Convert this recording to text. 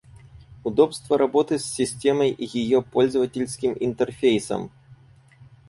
Удобство работы с системой и ее пользовательским интерфейсом